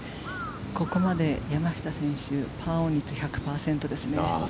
ここまで山下選手パーオン率１００％ですね。